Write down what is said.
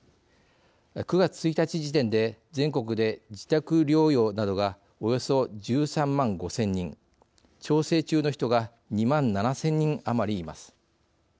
９月１日時点で全国で自宅療養などがおよそ１３万５，０００人調整中の人が２万７，０００人余りいます。